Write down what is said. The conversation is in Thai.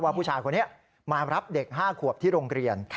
ผู้ชายคนนี้มารับเด็ก๕ขวบที่โรงเรียน